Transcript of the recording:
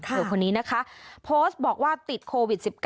คนนี้นะคะโพสต์บอกว่าติดโควิด๑๙